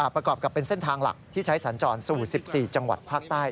ประกอบกับเป็นเส้นทางหลักที่ใช้สัญจรสู่๑๔จังหวัดภาคใต้